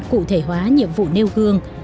cụ thể hóa nhiệm vụ nêu gương